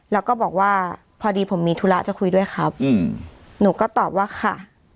แล้วก็บอกว่าพอดีผมมีธุระจะคุยด้วยครับอืมหนูก็ตอบว่าค่ะ